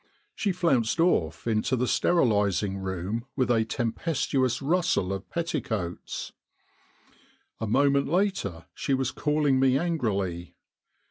She flounced off into the sterilising room with a tempestuous rustle of petticoats. A moment later she was calling me angrily.